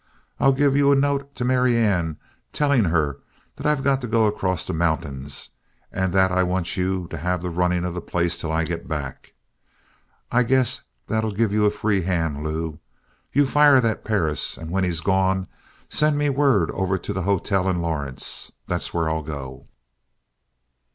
I'll give you a note to Marianne, telling her that I've got to go across the mountains and that I want you to have the running of the place till I get back. I guess that'll give you a free hand, Lew! You fire that Perris, and when he's gone, send me word over to the hotel in Lawrence. That's where I'll go."